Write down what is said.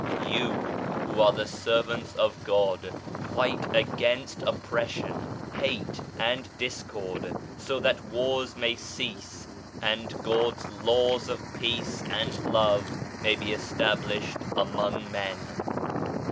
You who are the servants of God fight against oppression^ hate and discord, so that wars may cease and God's laws of Peace and Love may be established among men.